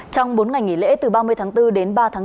trong bốn ngành nghỉ lễ từ ba mươi tháng bốn đến ba tháng năm